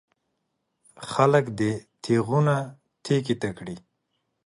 خلک دې تېغونه تېکې ته کړي.